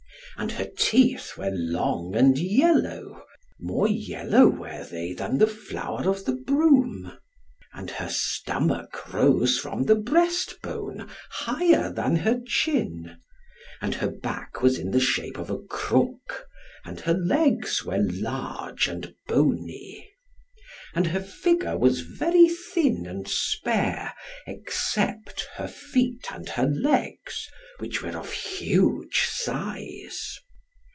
And her teeth were long and yellow, more yellow were they than the flower of the broom. And her stomach rose from the breast bone, higher than her chin. And her back was in the shape of a crook, and her legs were large and bony. And her figure was very thin and spare, except her feet and her legs, which were of huge size.